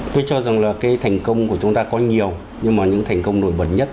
tôi cho rằng là cái thành công của chúng ta có nhiều nhưng mà những thành công nổi bật nhất